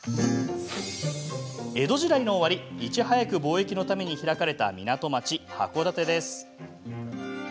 江戸時代の終わり、いち早く貿易のために開かれた港町函館です。